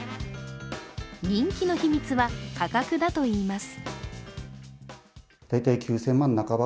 人気の秘密は価格だといいます。